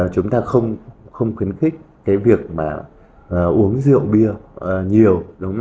chúng ta không khuyến khích cái việc mà uống rượu bia nhiều